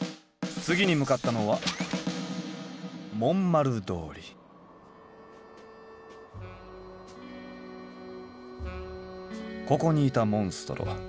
次に向かったのはここにいたモンストロ。